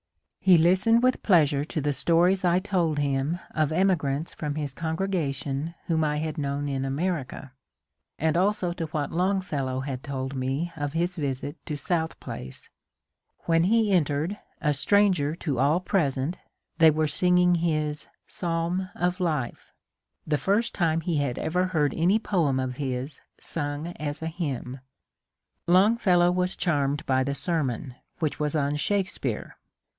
He listened with pleasure to the stories I told him 1 Wi 1 r \ V ' ij v \:A\ 1 DEATH OF DR. FOX 55 of emigrants from his congregation whom I had known in America, and also to what Longfellow had told me of his visit to South Place : when he entered, a stranger to all pre sent, they were singing his ^^ Psalm of Life "— the first time he had ever heard any poem of his sung as a hymn. Long fellow was charmed by the sermon, which was on Shakespeare.